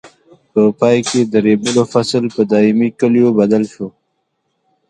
په پای کې د ریبلو فصل په دایمي کلیو بدل شو.